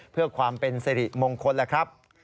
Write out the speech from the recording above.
เพื่อความเป็นสิริมงคลแล้วครับ